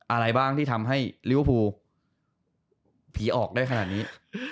อะไรบ้างที่ทำให้ลิเวอร์ภูผีออกได้ขนาดนี้